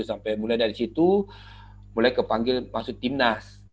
sampai mulai dari situ mulai kepanggil masuk timnas